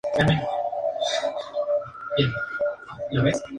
Tiroteos y obstáculos estallaron en Guadalajara ese día.